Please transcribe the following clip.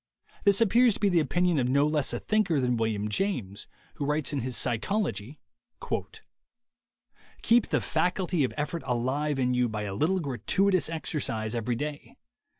This appears to be the opinion of no less a thinker than William James, who writes in his Psychology : "Keep the faculty o£ effort alive in you by a little gratuitous exercise every day.